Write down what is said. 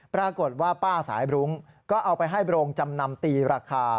ปรากฏว่าป้าสายบรุ้งก็เอาไปให้โรงจำนำตีราคา